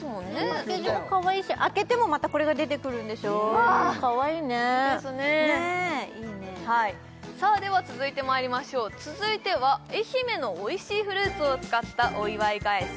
パッケージがかわいいし開けてもまたこれが出てくるんでしょかわいいねねぇいいねでは続いてまいりましょう続いては愛媛のおいしいフルーツを使ったお祝い返し